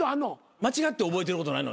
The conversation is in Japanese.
間違って覚えてることないの？